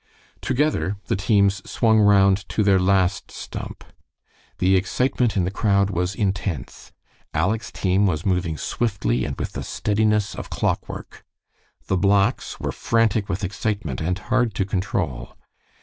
Together the teams swung round to their last stump. The excitement in the crowd was intense. Aleck's team was moving swiftly and with the steadiness of clockwork. The blacks were frantic with excitement and hard to control.